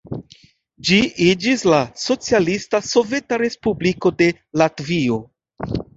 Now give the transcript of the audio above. Ĝi iĝis la Socialista Soveta Respubliko de Latvio.